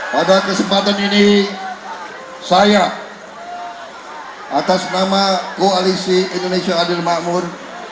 pada kesempatan ini saya atas nama koalisi indonesia adil makmur